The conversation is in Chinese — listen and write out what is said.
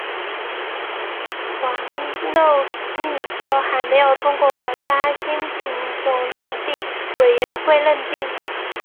黄肉蜜柚还没有通过国家新品种认定委员会认定。